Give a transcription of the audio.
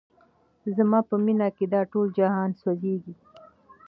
زما په مینه کي دا ټول جهان سوځیږي